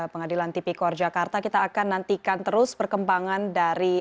pengadilan tipikor jakarta kita akan nantikan terus perkembangan dari